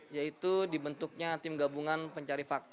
yaitu dibentuknya tim gabungan pencari fakta